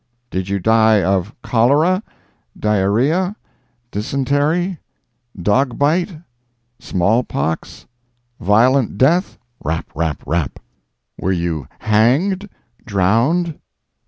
"Did you die of cholera?—diarrhea?—dysentery?—dog bite?—small pox?—violent death?—" "Rap, rap, rap." "Were you hanged?—drowned?